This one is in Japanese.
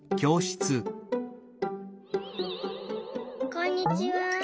こんにちは。